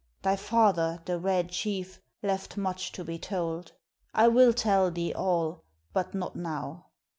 "Thy father, the Red Chief, left much to be told; I will tell thee all, but not now.